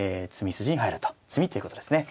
詰みっていうことですね。